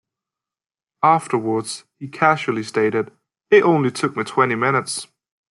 Afterwards he casually stated "it only took me twenty minutes".